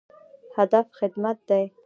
هدف خدمت دی